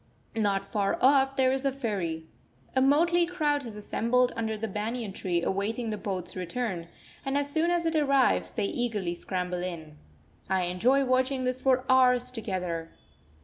Not far off there is a ferry. A motley crowd has assembled under the banyan tree awaiting the boat's return; and as soon as it arrives, they eagerly scramble in. I enjoy watching this for hours together.